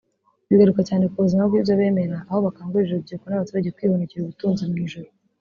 bigaruka cyane ku buzima bw’ibyo bemera aho bakangurira urubyiruko n’abaturage kwihunikira ubutunzi mu ijuru